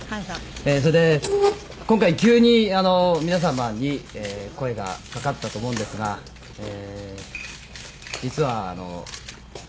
「それで今回急に皆様に声がかかったと思うんですがえー実はあの」